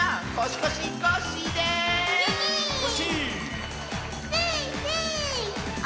コッシー！